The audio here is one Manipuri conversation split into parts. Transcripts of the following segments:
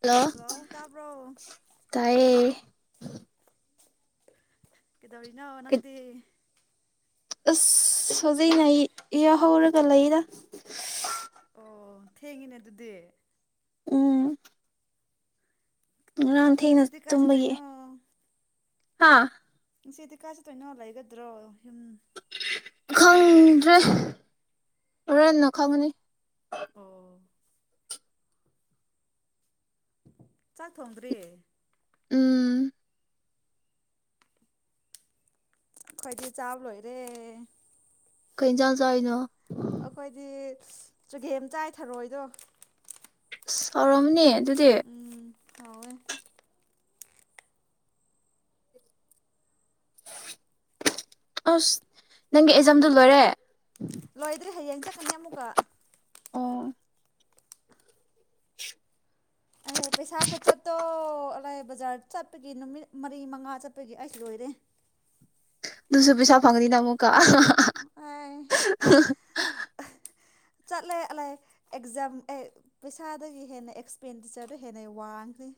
ꯍꯜꯂꯣ ꯇꯥꯏꯌꯦ ꯀꯦꯗꯕꯅ ꯅꯪꯗꯤ ꯑꯁ ꯍꯧꯖꯤꯩꯅ ꯏ ꯍꯧꯔꯒ ꯂꯩꯗ ꯑꯣ ꯊꯦꯡꯉꯤꯅꯦ ꯑꯗꯨꯗꯤ ꯎꯝ ꯉꯔꯥꯟ ꯊꯦꯡꯅ ꯉꯁꯤꯗꯤ ꯀꯥꯏ ꯇꯨꯝꯕꯒꯤ ꯆꯠꯇꯣꯏꯅꯣ ꯍꯥꯥ ꯏ ꯁꯤꯗꯤ ꯀꯥꯥꯁꯦ ꯇꯣꯏꯅ ꯂꯩꯒꯗ꯭ꯔꯣꯨꯝ ꯈꯪꯗ꯭ꯔꯦ ꯔꯔꯟꯅ ꯈꯪꯉꯅꯤ [unintelligible] ꯆꯥꯛ ꯊꯣꯡꯗ꯭ꯔꯤ ꯎꯝ ꯑꯩꯣꯏꯗꯤ ꯆꯥꯕ ꯂꯣꯏꯔꯦ ꯀꯩ ꯆꯥꯟ ꯆ ꯑꯩꯅꯣ ꯆꯨꯒꯦꯝ ꯆꯥꯏꯊꯔꯣꯏꯗꯣ ꯁꯔꯝꯅꯤꯠ ꯑꯗꯨꯗꯤ ꯑ ꯑ ꯅꯪ ꯂꯣꯏꯗ꯭ꯔꯦ ꯍꯌꯦꯡ ꯆꯠꯀꯅꯤ ꯑꯃꯨꯛꯀ ꯑꯣ ꯈꯤꯎ [inaudible] ꯑꯗꯦ ꯄꯩꯤꯁꯥ ꯀꯨꯆꯠꯇꯣ ꯆꯂꯥꯏ ꯕꯖꯥꯔ ꯆꯠꯄꯒꯤ ꯅꯨꯃꯤꯠ ꯃꯔꯤ ꯃꯉꯥ ꯆꯠꯄꯒꯤ ꯑꯩꯁꯨ ꯂꯣꯏꯔꯦ ꯑꯗꯨꯗꯨꯁꯨꯔ ꯄꯩꯁꯥ ꯐꯪꯅꯤꯅ ꯑꯃꯨ ꯑꯥꯑꯥ ꯍꯥ ꯍꯥ ꯑꯥꯏ ꯍꯥ ꯍꯥ [inaudible] ꯆꯠꯂꯦꯠꯂ ꯑꯦꯛꯖꯥꯝ ꯑꯦ ꯄꯩꯁꯥꯗꯒꯤ ꯍꯦꯟꯅ ꯑꯦꯛꯁꯄꯦꯟꯗꯤꯆꯔꯗ ꯍꯦꯟꯅ ꯋꯥꯡꯈꯅꯤ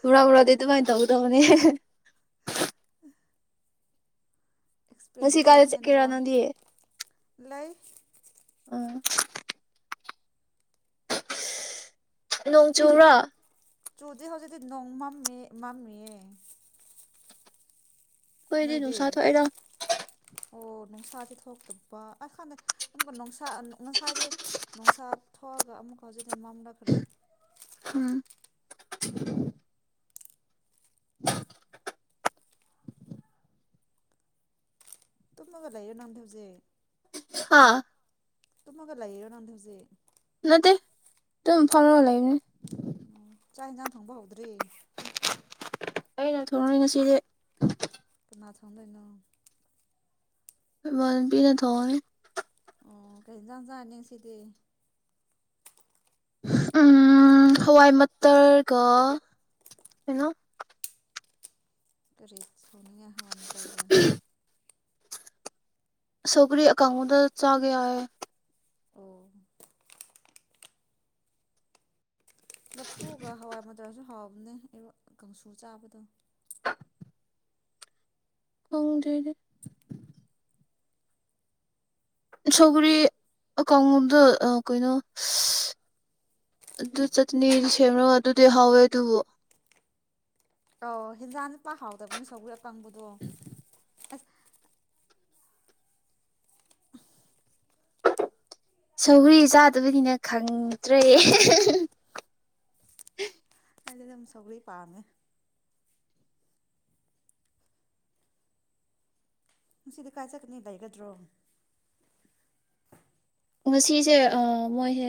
ꯄꯨꯔꯥ ꯄꯨꯥꯗꯤ ꯑꯗꯨꯃꯥꯏꯅ ꯇꯧꯕ ꯇꯃꯅꯦ ꯉꯁꯤ ꯀꯥꯗ ꯑꯦꯛꯁꯄꯦꯟꯗꯤꯆꯔꯅ ꯍꯦꯟꯅ ꯋꯥꯡꯈ꯭ꯔꯦ ꯀꯔꯥꯅꯗꯤꯌꯦ ꯂꯩ ꯑ ꯅꯣꯡ ꯆꯨꯔꯥ ꯆꯨꯗꯤ ꯍꯧꯖꯤꯛꯇꯤ ꯅꯣꯡ ꯃꯝꯃꯤ ꯃꯝꯃꯤꯌꯦ ꯅꯣꯏꯗꯤ ꯀꯣꯏꯗꯤꯗꯨꯅꯨꯡꯁꯥ ꯊꯏꯗꯥ ꯑꯣ ꯅꯨꯡꯁꯥꯥꯁ ꯊꯣꯛꯇꯕ ꯑꯁ ꯈꯥꯟꯗꯩ ꯑꯃꯨꯛꯀ ꯅꯨꯡꯁꯥ ꯉꯁꯥꯏꯗꯤ ꯅꯨꯡꯁꯥ ꯊꯣꯛꯑꯒ ꯑꯃꯨꯛꯀ ꯍꯧꯖꯤꯛꯇꯤ ꯃꯝꯅꯈ꯭ꯔꯦ ꯎꯝ ꯇꯨꯝꯃꯒ ꯂꯩꯣ ꯅꯪꯗ ꯍꯧꯖꯤꯛ ꯑ ꯇꯨꯡꯃꯒ ꯂꯩꯌꯦꯔꯅꯥꯗꯁꯦ ꯅꯗ ꯇ ꯐꯜꯕ ꯂꯅꯦ ꯎ ꯆꯥꯛ ꯏꯟꯁꯥꯡ ꯊꯪꯕ ꯍꯧꯗ꯭ꯔꯔꯤ ꯑꯩꯅ ꯊꯂꯛꯏ ꯉꯁꯤꯁꯦ ꯅꯥ ꯊꯣꯡ ꯂꯩꯣꯏꯅꯣ ꯃꯕꯤꯅ ꯊꯣꯦ ꯑꯣ ꯀꯩꯟꯖꯥꯟꯖꯥꯅꯤꯡ ꯁꯤꯗꯤ ꯎꯝ ꯍꯋꯥꯏ ꯃꯇꯇꯔꯒ ꯀꯩꯅꯣ ꯔꯤꯦ ꯁꯣꯅꯤꯌꯥ ꯍꯋꯥ ꯑꯃ ꯇꯔꯒ ꯁꯧꯒꯔꯤ ꯑꯀꯥꯥꯎꯗ ꯆꯥꯒ ꯍꯥꯏ ꯑꯣ ꯅ ꯐꯨꯒ ꯍꯋꯥꯏ ꯃꯖꯁꯨ ꯍꯋꯥ ꯑꯗꯨꯅ ꯑꯩ ꯀꯥꯡꯁꯨ ꯆꯥꯕꯗꯣ ꯋꯥ ꯀꯣꯡ꯭ꯔꯦꯔꯤ ꯁꯧꯒꯔꯤ ꯀꯥꯡꯣꯗ ꯀꯩꯅꯣ ꯑꯗꯨ ꯆꯠꯅꯤ ꯁꯦꯝꯔꯒ ꯑꯗꯨꯗꯤ ꯍꯥꯎꯋꯦ ꯑꯗꯨꯕꯨ ꯑ ꯍꯦꯟꯖꯥꯡ ꯅꯨꯄꯥ ꯍꯥꯎꯗꯕꯅ ꯁꯒꯨꯔꯤ ꯑꯀꯪꯕꯗꯣ ꯑꯁ ꯁꯧꯔꯤ ꯆꯥꯗꯕꯅꯤꯅ ꯈꯪꯗ꯭ꯔꯦ ꯑ ꯑꯗꯨꯝ ꯁꯂꯤ ꯄꯉ ꯁꯤꯗꯤ ꯀꯥꯏ ꯆꯠꯀꯅꯤ ꯂꯩꯒꯗ꯭ꯔꯣ ꯉꯁꯤꯁꯦ ꯃꯣꯏꯁꯦ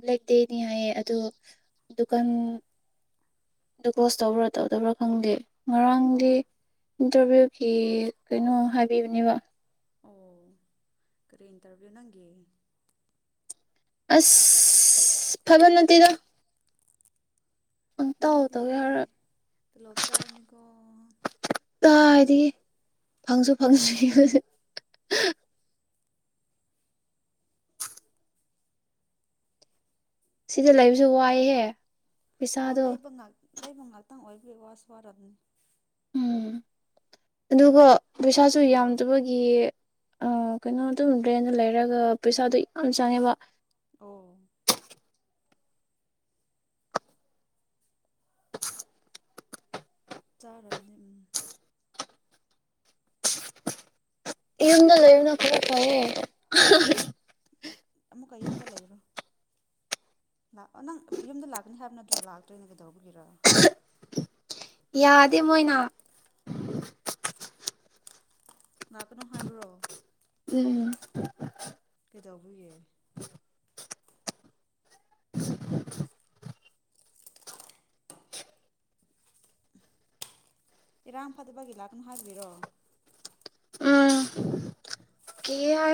ꯕ꯭ꯂꯦꯛ ꯗꯦꯅꯤ ꯍꯥꯏꯌꯦ ꯑꯗꯨꯗ ꯗꯨꯀꯥꯟ ꯀ꯭ꯂꯣꯖ ꯇꯧꯕ꯭ꯔꯥ ꯇꯧꯗꯕ꯭ꯔꯥ ꯈꯪꯗꯦ ꯑꯣ ꯉꯔꯥꯡꯗꯤ ꯏꯟꯇꯔꯚꯤꯌꯨꯒꯤ ꯀꯩꯅꯣ ꯍꯥꯏꯕꯤꯕꯅꯦꯕ ꯑꯣ ꯀꯔꯤ ꯏꯟꯇꯔꯚꯤꯌꯨ ꯅꯪꯒꯦ ꯑꯁ ꯐꯕ ꯅꯠꯇꯤꯗꯣ ꯃꯤꯗꯤ ꯇꯧꯋꯦ ꯍꯥꯏꯔ ꯂꯣꯞ ꯆꯥꯔꯅꯤꯀꯣ ꯀ ꯍꯥꯏꯗꯤ ꯐꯪꯁꯨ ꯐꯪꯁꯤ ꯁꯤꯗ ꯂꯩꯕꯁꯨ ꯋꯥꯏꯍꯦ ꯄꯩꯁꯥꯗꯣ ꯑꯣꯂꯥꯏꯕꯉꯥ ꯂꯩꯕ ꯉꯥꯛꯇꯪ ꯑꯣꯏꯕꯒꯤ ꯋꯥꯁ ꯋꯥꯔꯕꯅꯤ ꯎꯝ ꯑꯗꯨꯒ ꯄꯩꯁꯥꯁꯨ ꯑꯥ ꯌꯥꯝꯗꯕꯒꯤ ꯑ ꯀꯩꯅꯣ ꯑꯗꯨꯝ ꯂꯦꯟꯗ ꯂꯩꯔꯒ ꯄꯩꯁꯥꯗꯣ ꯌꯥꯝ ꯆꯪꯉꯦꯕ ꯑꯣ ꯆꯥꯔꯕꯅꯤ ꯏꯟꯗ ꯂꯩꯨꯅ ꯈꯔ ꯀꯔ ꯑꯃꯨꯛꯀ ꯌꯨꯝꯗ ꯂꯩꯔꯣ ꯂꯥꯛꯑꯣ ꯅꯪ ꯌꯨꯝꯗ ꯂꯥꯛꯀꯅꯤ ꯍꯥꯏꯕ ꯅꯠꯇ꯭ꯔꯣ ꯂꯥꯛꯇꯣꯏꯅ ꯀꯩꯗꯧꯕꯒꯤꯔ ꯌꯥꯗꯦ ꯃꯣꯏꯅ ꯉꯍꯥꯛꯅꯣ ꯍꯥꯏꯕ꯭ꯔꯣ ꯎꯝ ꯀꯗꯧꯕꯌꯦ [unintelligible] ꯏꯔꯥꯝ ꯐꯠꯇꯕꯒꯤ ꯂꯥꯛꯅꯨ ꯍꯥꯏꯕꯤꯔꯣ ꯎꯝ ꯀ ꯌꯥ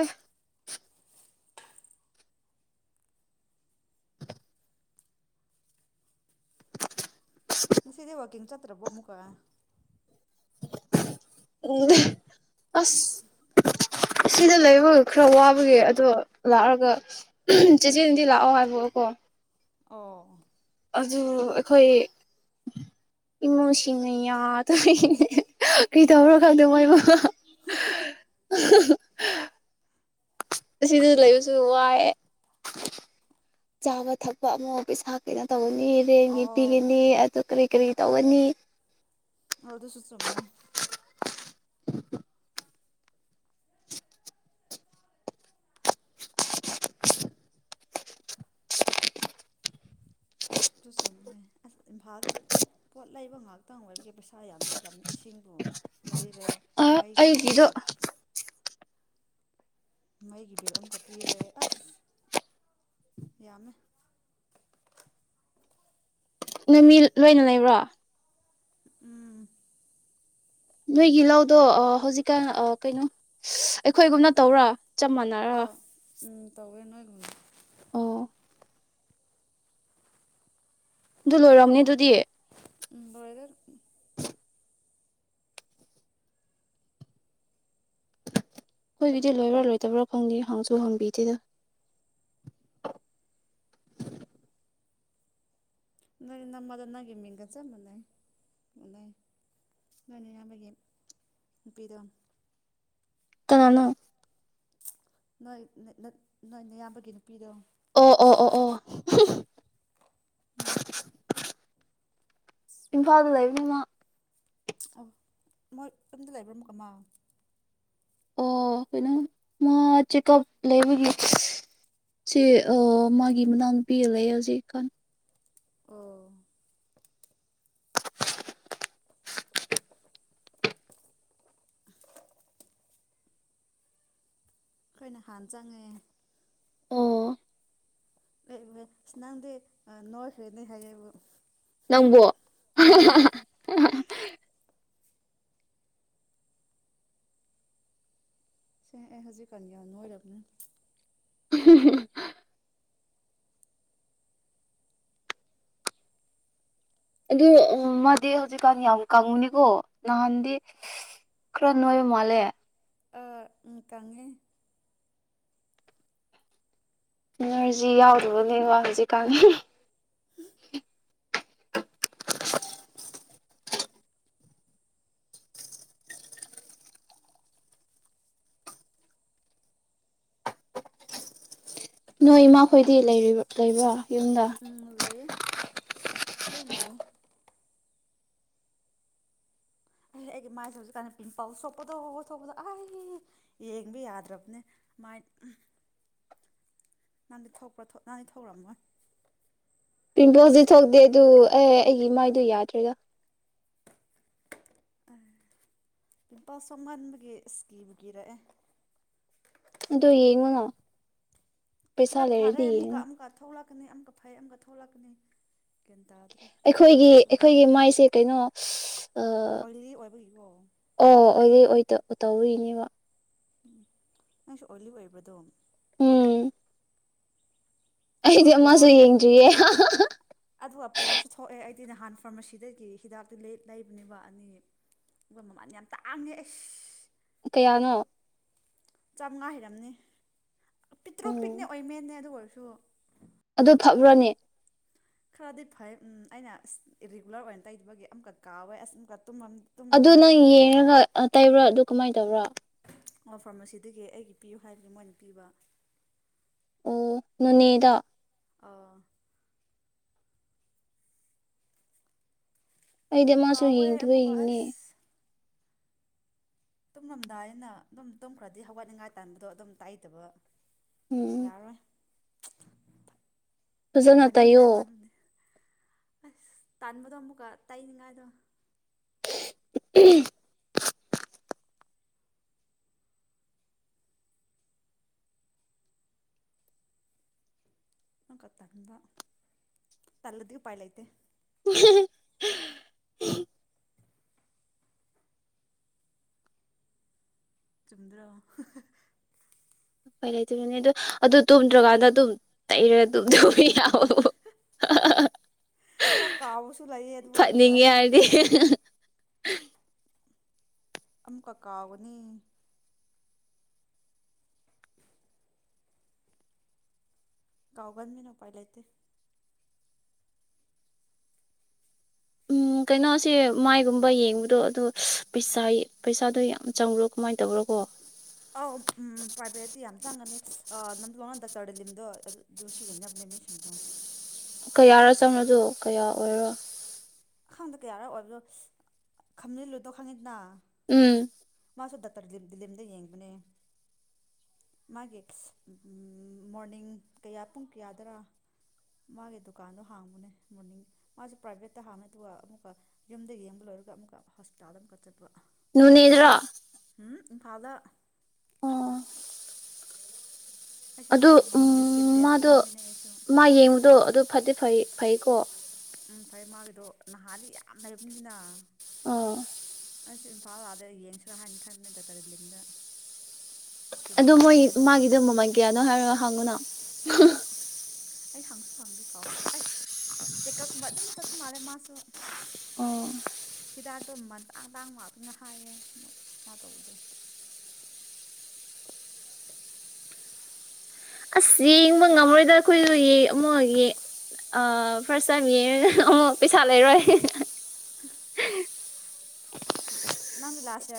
ꯉꯁꯤꯗꯤ ꯋꯥꯀꯤꯡ ꯆꯠꯇ꯭ꯔꯕꯣ ꯑꯃꯨꯛꯀ ꯎ ꯑꯁ ꯁꯤꯗ ꯂꯩꯕ ꯈꯔ ꯋꯥꯕꯒꯤ ꯑꯗꯣ ꯂꯥꯛꯑꯒ ꯆꯦꯆꯦꯗꯤ ꯂꯥꯛꯑꯣ ꯍꯥꯏꯕꯑꯣꯀꯣ ꯑꯣ ꯑꯗꯨ ꯑꯩꯈꯣꯏ ꯏꯃꯨꯡꯁꯤꯡꯅ ꯌꯥꯗ ꯀꯩꯗꯧꯔꯣ ꯈꯪꯗꯦ ꯃꯣꯏ ꯃꯕꯥ ꯑꯁꯤꯗ ꯂꯩꯕꯁꯨ ꯋꯥꯏꯑꯦ ꯆꯥꯕ ꯊꯛꯄ ꯑꯃ ꯄꯩ ꯏꯁꯥ ꯀꯩꯅꯣ ꯇꯧꯕ ꯔꯦꯟꯒꯤ ꯑꯧ ꯄꯤꯒꯅꯤ ꯑꯗꯨ ꯀꯔꯤ ꯀꯔꯤ ꯇꯧꯒꯅꯤ ꯑꯗꯁꯨ ꯆꯃꯦ ꯑꯗꯨ ꯆꯨꯝꯕꯅꯦ ꯑꯁ ꯏꯝꯐꯥꯜꯗꯤ ꯄꯣꯠ ꯂꯩꯕ ꯉꯥꯛꯇꯪ ꯑꯣꯏꯕꯒꯤ ꯄꯩꯁꯥ ꯌꯥꯝ ꯆꯠꯂꯝꯕꯅꯤ ꯏꯁꯤꯡꯕꯨ ꯂꯩꯔꯦ ꯃꯩꯒꯤ ꯑꯩꯒꯤꯗꯣ ꯑꯃꯨꯛꯀ ꯃꯩꯒꯤ ꯕꯤꯜ ꯑꯃꯈꯛ ꯄꯤꯔꯦ ꯑꯁ ꯌꯥꯝꯃꯦ ꯅꯃꯤ ꯂꯣꯏꯅ ꯂꯩꯕ꯭ꯔꯣ ꯎꯝ ꯅꯣꯏꯒꯤ ꯂꯧꯗꯣ ꯍꯧꯖꯤꯛꯀꯥꯟ ꯀꯩꯅꯣ ꯑꯩꯈꯣꯏꯒꯨꯝꯅ ꯇꯧꯔꯥ ꯆꯞ ꯃꯥꯟꯅꯔꯒ ꯑꯥꯎ ꯎꯝ ꯇꯧꯦ ꯅꯣꯏꯒꯨꯅ ꯑꯣ ꯑꯗꯨ ꯂꯣꯏꯔꯝꯅꯤ ꯑꯗꯨꯗꯤ ꯎꯝ ꯂꯣꯏꯔꯦ ꯑꯩꯈꯣꯏꯒꯤꯗꯤ ꯂꯣꯏꯕ꯭ꯔꯥ ꯂꯣꯏꯗꯕ꯭ꯔꯥ ꯈꯪꯗꯦ ꯍꯪꯁꯨ ꯍꯪꯕꯤꯗꯦꯗ ꯅꯪ ꯅꯃꯗꯣ ꯅꯪꯒꯤ ꯃꯤꯡꯒꯠ ꯆꯝꯕꯅ ꯅꯪꯅꯦ ꯅꯃꯒꯤ ꯅꯨꯄꯤꯔꯣ ꯀꯅꯥꯅꯣ ꯅꯣꯏ ꯅꯣꯏ ꯅꯌꯥꯝꯕꯒꯤ ꯅꯨꯄꯤꯗꯣ ꯑꯣ ꯑꯣ ꯑꯣ ꯑꯣ ꯎꯝ ꯏꯝꯐꯥꯜꯗ ꯂꯩꯅꯃ ꯑ ꯃꯣꯏ ꯌꯝꯗ ꯂꯩꯕ꯭ꯔꯣꯝ ꯀꯃ ꯑꯣ ꯀꯣꯏꯩꯅꯣ ꯃꯥ ꯆꯦꯛꯑꯞ ꯂꯩꯕꯒꯤ ꯁꯦ ꯃꯥꯒꯤ ꯃꯅꯥ ꯄꯤꯔ ꯂꯩ ꯍꯧꯖꯤꯛ ꯀꯥꯟ ꯑꯣ ꯑꯩꯈꯣꯏꯅ ꯍꯥꯟ ꯆꯪꯉꯦ ꯑꯣ ꯅꯪꯗꯤ ꯅꯣ ꯍꯅꯤ ꯍꯥꯏꯦꯕꯨ ꯅꯪꯕꯨꯣ ꯑꯦꯍꯖꯤ ꯀꯅꯤꯅ ꯑꯣꯏ ꯂꯅꯦ ꯑꯗꯨ ꯃꯥꯗꯤ ꯍꯧꯖꯤꯛꯀꯥꯟ ꯌꯥꯝ ꯀꯪꯉꯨꯅꯤꯀꯣ ꯅꯍꯥꯟꯗꯤ ꯈꯔ ꯅꯣꯏꯕ ꯃꯥꯜꯂꯦ ꯇꯪꯉꯤ ꯏꯅꯔꯖꯤ ꯌꯥꯎꯗꯕꯅꯦ ꯋꯥ ꯍꯧꯖꯤꯛ ꯀꯥꯟꯅ ꯅꯣꯏ ꯏꯃꯥꯈꯣꯏꯗꯤ ꯂꯩꯕ꯭ꯔꯥ ꯌꯨꯝꯗ ꯎ ꯂꯩ ꯍꯣꯏ ꯂꯩ ꯑꯦ ꯑꯩꯒꯤ ꯃꯥꯏꯁꯦ ꯍꯧꯖꯤꯛꯀꯥꯟꯗ ꯄꯤꯝꯄꯜꯁ ꯁꯣꯛꯄꯗꯣ ꯁꯄꯗꯣ ꯑꯩ ꯌꯦꯡꯕ ꯌꯥꯗ꯭ꯔꯕꯅꯦ ꯃꯥꯏ ꯅꯪꯗꯤ ꯊꯣꯛꯄ꯭ꯔꯥ ꯅꯪꯗꯤ ꯊꯣꯛꯔꯛꯑꯝꯒꯣꯏ ꯄꯤꯝꯄꯜꯁꯗꯤ ꯊꯣꯛꯇꯦ ꯑꯗꯨ ꯑꯦ ꯑꯩꯒꯤ ꯏꯃꯥꯏꯗꯨꯣ ꯌꯥꯗ꯭ꯔꯦꯒ ꯄꯤꯝꯄꯜ ꯁꯣ ꯉꯟꯕꯒꯤ ꯏꯁꯀꯤꯕꯨ ꯀꯤꯔꯛꯑꯦ ꯑꯗꯨꯣ ꯌꯦꯡꯉꯨꯅꯣ ꯈꯔ ꯐꯔꯦ ꯑꯃꯨꯛꯀ ꯑꯃꯨꯛꯀ ꯊꯣꯛꯂꯛ ꯊꯣꯛꯛꯅꯤ ꯑꯃ ꯐꯩ ꯑꯃꯒ ꯊꯣꯛꯂꯛꯀꯅꯤ ꯒ꯭ꯌꯥꯟ ꯇꯥꯗ꯭ꯔꯦ ꯑꯩꯈꯣꯏꯒꯤ ꯄꯤꯝꯄꯜꯁꯁꯨ ꯑꯩꯈꯣꯏꯒꯤ ꯃꯥꯏꯁꯦ ꯀꯩꯅꯣ ꯑꯣ ꯑꯣꯏꯂꯤ ꯑꯣꯏꯕꯒꯤꯕꯣ ꯑꯣꯏꯂꯤ ꯑꯣꯏꯗ ꯇꯧꯔꯤꯅꯦꯕ ꯎ ꯅꯪꯁꯨ ꯑꯣꯏꯂꯤ ꯑꯣꯏꯕꯗꯣ ꯎꯝ ꯑꯗꯨꯒ ꯑꯩꯗꯤ ꯑꯃꯁꯨ ꯄꯣꯔꯁ ꯌꯦꯨꯌꯦ ꯑꯗꯨꯒ ꯄꯣꯔꯁꯨ ꯊꯣꯛꯑꯦ ꯑꯩꯗꯤ ꯅꯍꯥꯟ ꯐꯥꯔꯃꯥꯁꯤꯗꯒꯤ ꯍꯤꯗꯥꯛꯇꯤ ꯂꯩꯕꯅꯦꯕ ꯑꯅꯤ ꯑꯩꯣꯏ ꯃꯃꯥꯟ ꯌꯥꯝ ꯇꯥꯡꯉꯦ ꯑꯩꯁ ꯀꯌꯥꯅꯣ ꯉꯥꯏ ꯍꯔꯝꯅꯤ ꯄꯤꯇꯔꯣ ꯎꯝ ꯄꯤꯅꯦ ꯑꯣꯏꯍꯤꯃꯦꯦ ꯑꯗꯨ ꯑꯣꯏꯣꯦ ꯁ ꯑꯗꯨ ꯐꯛꯎ꯭ꯔꯣꯅꯦ ꯈꯔꯗꯤ ꯐꯩ ꯎꯝ ꯑꯩꯅ ꯑ ꯔꯤꯒꯨꯂꯔ ꯑꯣꯏꯅ ꯇꯩꯗꯕꯒꯤ ꯑꯃꯨꯛꯀ ꯀꯥꯎꯋꯦ ꯑꯁꯀ ꯑꯗꯨ ꯅꯪ ꯌꯦꯡꯉꯒ ꯇꯩꯕ꯭ꯔꯥ ꯑꯗꯨ ꯀꯃꯥꯏꯅ ꯇꯧꯕꯔꯣ ꯐꯥꯔꯃꯥꯁꯤꯗꯒꯤ ꯑꯩꯒꯤ ꯄꯤꯌꯨ ꯍꯥꯏꯕꯒꯤ ꯃꯣꯏꯅ ꯄꯤꯕ ꯑꯣ ꯨꯅꯩꯗ ꯑ ꯑꯩꯗꯤ ꯃꯥꯁꯨ ꯀꯥꯎꯋꯦ ꯌꯦꯡꯗꯕ ꯑꯃꯨꯛꯀ ꯌꯦꯡꯅꯦ ꯇꯨꯝꯔꯝꯗꯥꯏ ꯑꯩꯅ ꯑꯗꯨꯝ ꯇꯨꯝꯈ꯭ꯔꯗꯤ ꯍꯋꯥꯠꯅꯤꯡꯉꯥꯏ ꯇꯥꯟꯕꯗꯣ ꯑꯗꯨꯝ ꯇꯥꯏꯇꯕ ꯎꯝ ꯐꯖꯅ ꯇꯥꯏꯌꯣ ꯐꯅꯤꯡꯅꯤꯉꯥꯏ ꯃꯥꯟꯕꯅꯦ ꯑꯁ ꯇꯥꯟꯕꯗꯣ ꯑꯃꯨꯛꯀ ꯇꯥꯛꯅꯤꯉꯥꯏꯗꯣ ꯎꯝ ꯅꯀ ꯊꯗ ꯇꯂꯗꯤ ꯄꯥꯏꯂ ꯏꯇꯦ ꯎ ꯎꯝ ꯆꯗ꯭ꯔꯥ ꯐꯣꯏ ꯂꯩꯇꯣꯏꯅꯅꯦ ꯑꯗꯨ ꯑꯗꯨ ꯇꯨꯝꯗ꯭ꯔꯀꯥꯟꯗ ꯑꯗꯨꯝ ꯇꯩꯔꯦ ꯑꯗꯨꯝꯕꯤ ꯌꯥꯑꯣꯣ ꯈꯔ ꯀꯥꯎꯕꯨ ꯁꯨ ꯂꯩꯥꯏ ꯑꯗꯨ ꯍꯥꯏꯔꯗꯤ [unintelligible] ꯑꯝꯀ ꯀꯎꯅꯤ ꯀꯥꯎꯒꯥꯟꯅ ꯃꯤ ꯅꯄꯥꯥꯏ ꯂꯇꯦ ꯎꯝ ꯀꯩꯅꯣꯁꯦ ꯃꯥꯏꯒꯨꯝꯕ ꯌꯦꯡꯕꯗꯣ ꯑꯗꯨꯗꯣ ꯄꯩꯁ ꯄꯩꯁꯥꯗꯣ ꯌꯥꯝ ꯆꯪꯕ꯭ꯔꯣ ꯀꯃꯥꯏꯅ ꯇꯧꯕꯔꯣ ꯀꯣ ꯑꯧ ꯄ꯭ꯔꯥꯏꯚꯦꯠꯇꯤ ꯌꯥꯝ ꯆꯪꯒꯅꯤ ꯅꯝꯗꯨꯅ ꯗꯥꯛꯇꯔꯗ ꯂꯤꯝꯗꯣ ꯑꯗꯨ ꯑꯗꯨꯁꯨ ꯌꯦꯡꯅꯕꯅꯦ ꯃꯤꯁꯤꯡꯗꯣ ꯀꯌꯥꯔꯣ ꯆꯪꯉꯣꯗꯣ ꯀꯌꯥ ꯑꯣꯏꯔꯣ ꯑꯈꯥꯡꯗ ꯀꯌꯥꯔ ꯑꯣꯏꯕꯗꯣ ꯈꯝꯖꯤꯜꯂꯨꯗꯣ ꯈꯪꯉꯤꯗꯅ ꯎꯝ ꯃꯥꯁꯨ ꯗꯥꯛꯇꯔꯂꯤꯝꯗ ꯌꯦꯡꯕꯅꯦ ꯃꯥꯒꯤ ꯃꯣꯔꯅꯤꯡ ꯀꯌꯥ ꯄꯨꯡ ꯀꯌꯥꯗꯔ ꯃꯥꯒꯤ ꯗꯨꯀꯥꯟꯗꯣ ꯍꯥꯡꯕꯅꯦ ꯃꯣꯔꯅꯤꯡ ꯃꯥꯁꯨ ꯄ꯭ꯔꯥꯏꯚꯦꯠꯇ ꯍꯥꯡꯉ ꯑꯗꯨꯒ ꯑꯃꯨꯛꯀ ꯌꯨꯝꯗ ꯌꯦꯡꯕ ꯂꯣꯏꯔꯒ ꯑꯃꯨꯛꯀ ꯍꯣꯁꯄꯤꯇꯥꯜꯗ ꯑꯃꯨꯛꯀ ꯆꯠꯄ ꯅꯅꯤꯗ꯭ꯔꯣ ꯎꯝ ꯐꯥꯗ ꯑꯣ ꯑꯩꯁꯨ ꯃꯥ ꯑꯗꯨ ꯎ ꯌꯦꯡꯅꯤꯡꯗꯦ ꯏꯁꯀꯤꯟ ꯇꯦꯁ ꯃꯥꯗꯣ ꯇꯧꯅꯤꯡꯕꯒꯤꯅꯦ ꯑꯩꯁꯨ ꯃꯥ ꯌꯦꯡꯕꯗꯣ ꯑꯗꯨ ꯐꯗꯤ ꯐꯩ ꯐꯩꯀꯣ ꯎꯝ ꯐꯩ ꯃꯥꯒꯤꯗꯣ ꯅꯍꯥꯗꯤ ꯌꯥꯝ ꯂꯩꯔꯕꯅꯤꯅ ꯑꯥ ꯑꯩꯁꯨ ꯏꯝꯐꯥꯜ ꯑꯥꯗ ꯌꯦꯡꯁꯤꯔꯥ ꯍꯥꯏꯅ ꯈꯟꯕꯅꯦ ꯗꯇꯔꯂꯤꯝꯗ ꯑꯗꯨ ꯃꯣꯏ ꯃꯥꯒꯤꯗꯣ ꯃꯃꯜ ꯀꯌꯥꯅꯣ ꯍꯥꯏꯔꯣ ꯍꯪꯉꯨꯅ ꯑ ꯑꯩ ꯍꯪꯁꯨ ꯍꯪꯗꯦ ꯀꯥꯎꯁꯨ ꯀꯥꯎ ꯑꯩꯁ ꯆꯦꯛꯀꯞ ꯑꯗꯨꯝ ꯆꯠꯄ ꯃꯥꯜꯂꯦ ꯃꯥꯁꯨ ꯑꯣ ꯍꯤꯗꯥꯛꯇꯣ ꯃꯟꯇꯥꯡ ꯇꯥꯡ ꯋꯥꯇ ꯉ ꯍꯥꯏꯌꯦ ꯃꯥ ꯇꯧꯕꯗꯣ ꯑꯁ ꯌꯦꯡꯕ ꯉꯝꯔꯣꯏꯗ ꯑꯩꯈꯣꯏꯁꯨ ꯑꯃꯨꯒꯤ ꯐꯥꯔꯁ ꯇꯥꯏꯝ ꯌꯦꯡꯉꯒ ꯑꯃꯨꯛ ꯄꯩꯁꯥ ꯂꯩꯔꯣꯏ [unintelligible] ꯅꯪꯗꯤ ꯂꯥꯁ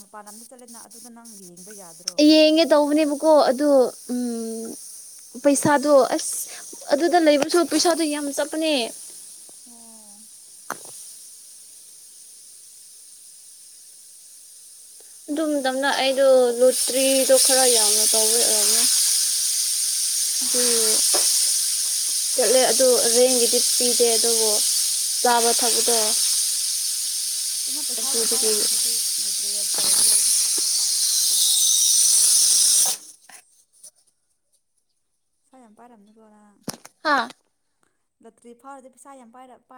ꯃꯄꯥꯟ ꯂꯝꯗ ꯆꯠꯂꯦꯗꯅ ꯑꯗꯨꯗ ꯅꯪꯒꯤ ꯌꯦꯡꯉꯦ ꯇꯧꯕꯅꯦꯕꯀꯣ ꯑꯗꯨ ꯎꯝ ꯄꯩꯁꯥꯗꯣ ꯑꯁ ꯑꯗꯨꯗ ꯂꯩꯕꯁꯨ ꯄꯩꯁꯥꯗꯣ ꯌꯥꯝ ꯆꯠꯄꯅꯦ ꯑꯣ ꯑꯗꯨꯝ ꯑꯗꯨꯁꯨ ꯅꯝꯅ ꯐꯔꯦ ꯑꯩ ꯂ ꯇ꯭ꯔꯤꯗꯣ ꯈꯔ ꯌꯥꯝꯅ ꯇꯋꯑꯅ ꯑꯗꯨ ꯑꯣ ꯆꯠꯂꯦ ꯑꯗꯨ ꯑꯗꯨꯗꯤ ꯔꯦꯡꯒꯤꯗꯤ ꯄꯤꯗꯦ ꯑꯗꯨꯕꯨ ꯌꯥꯕ ꯊꯕꯗꯣ ꯑꯗꯨꯪ ꯄꯩꯁꯥ ꯌꯥꯝ ꯄꯥꯏꯔꯅꯤ ꯑꯗꯨꯗꯤ ꯀ ꯅꯩꯅꯣꯇ꯭ꯔꯦ ꯄꯠꯇꯥꯎꯗꯤ ꯁꯂꯌꯥꯝꯄꯥꯥꯔꯝꯅꯤ ꯄꯔꯦ ꯑ ꯂꯇ꯭ꯔꯤ ꯐꯥꯔꯗꯤ ꯄꯁꯥ ꯄꯥꯏꯔ